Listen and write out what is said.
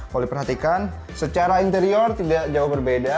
kalau diperhatikan secara interior tidak jauh berbeda